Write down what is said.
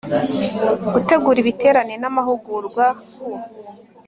Gutegura ibiterane n amahugurwa ku